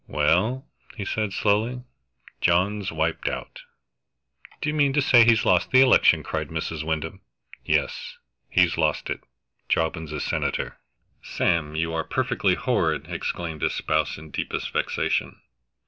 "Well," he said slowly, "John's wiped out." "Do you mean to say he has lost the election?" cried Mrs. Wyndham. "Yes he's lost it. Jobbins is senator." "Sam, you are perfectly horrid!" exclaimed his spouse, in deepest vexation.